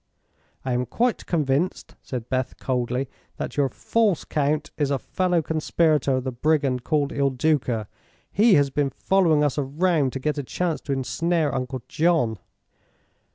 "I am quite convinced," said Beth, coldly, "that your false count is a fellow conspirator of the brigand called Il Duca. He has been following us around to get a chance to ensnare Uncle John."